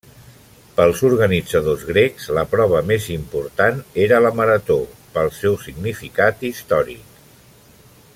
Pels organitzadors grecs la prova més important era la marató, pel seu significat històric.